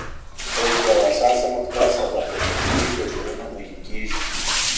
کله چې یوه حساسه مقطعه سر راپورته کوي توپیرونه مهم کېږي.